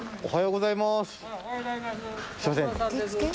おはようございます。